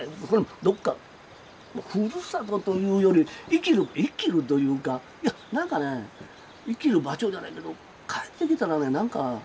どっかふるさとというより生きる生きるというかなんかね生きる場所じゃないけど帰ってきたらねなんか。